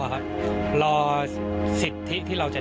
มีความรู้สึกว่าเสียใจ